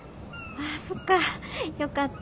ああそっかよかった。